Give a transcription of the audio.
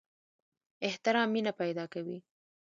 احترام مینه پیدا کوي